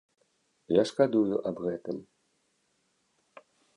Я шкадую аб гэтым.